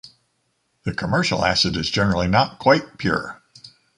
The commercial acid is generally not quite pure.